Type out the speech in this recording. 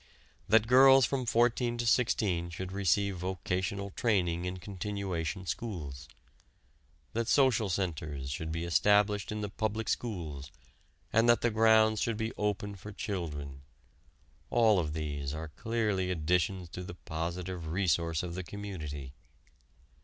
That girls from fourteen to sixteen should receive vocational training in continuation schools; that social centers should be established in the public schools and that the grounds should be open for children all of these are clearly additions to the positive resource of the community.